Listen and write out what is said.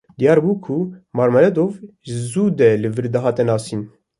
Diyar bû ku Marmeladov ji zû de li vir dihate nasîn.